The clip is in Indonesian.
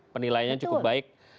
penilaiannya cukup baik